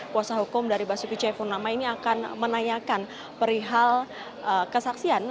kuasa hukum dari basuki cepurnama ini akan menanyakan perihal kesaksian